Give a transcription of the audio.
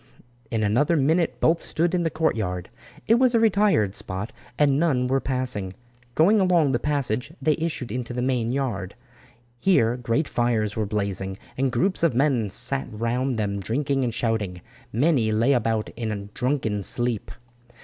In another minute both stood in the courtyard. It was a retired spot, and none were passing. Going along the passage they issued into the main yard. Here great fires were blazing, and groups of men sat round them drinking and shouting. Many lay about in drunken sleep.